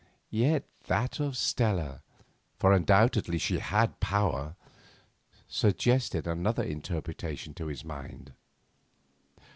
Yet that of Stella—for undoubtedly she had power—suggested another interpretation to his mind.